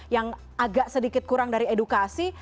yang agak sedikit kurang dari edukasi